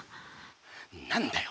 何だよ。